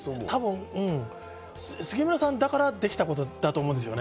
杉村さんだからできたことだと思うんですね。